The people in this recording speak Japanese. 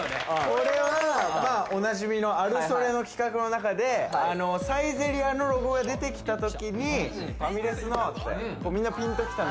これはおなじみのあるソレの企画の中でサイゼリヤのロゴが出てきた時にファミレスのって